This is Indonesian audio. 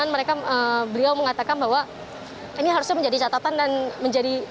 dan mereka beri mengatakan bahwa ini harusnya menjadi catatan dan menjadi